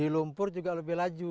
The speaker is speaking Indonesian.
lumpur juga lebih laju